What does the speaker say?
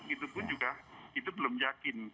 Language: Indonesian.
itu pun juga itu belum yakin